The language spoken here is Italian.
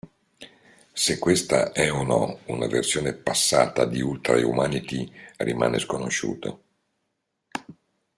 Se questa è o no una versione passata di Ultra-Humanite rimane sconosciuto.